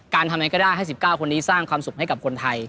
ทำยังไงก็ได้ให้๑๙คนนี้สร้างความสุขให้กับคนไทย